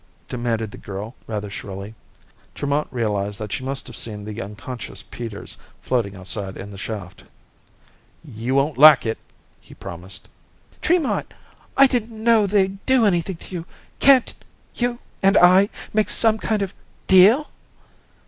demanded the girl, rather shrilly. Tremont realized that she must have seen the unconscious Peters floating outside in the shaft. "You won't like it!" he promised. "Tremont! I didn't know they'd do anything to you. Can't ... you and I ... make some kind of ... deal?"